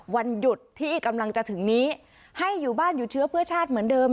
วันหยุดที่กำลังจะถึงนี้ให้อยู่บ้านอยู่เชื้อเพื่อชาติเหมือนเดิม